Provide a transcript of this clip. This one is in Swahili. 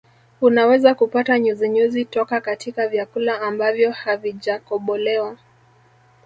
Unaweza kupata nyuzinyuzi toka katika vyakula ambavyo havijakobolewa